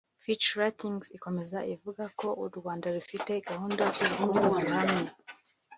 Fitch Ratings ikomeza ivuga ko u Rwanda rufite gahunda z’ubukungu zihamye